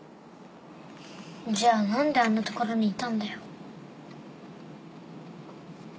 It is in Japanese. じゃあ何であんな所にいたんだよ。